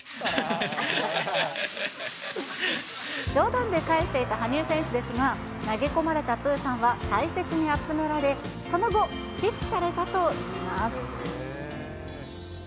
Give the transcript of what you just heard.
冗談で返していた羽生選手ですが、投げ込まれたプーさんは、大切に集められ、その後、寄付されたといいます。